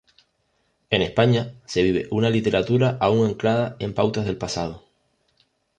En España se vive una literatura aún anclada en pautas del pasado.